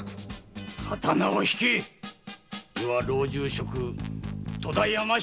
刀をひけィ余は老中職戸田山城